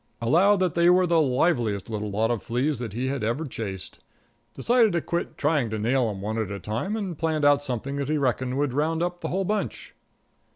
Allowed that they were the liveliest little lot of fleas that he had ever chased. Decided to quit trying to nail 'em one at a time, and planned out something that he reckoned would round up the whole bunch.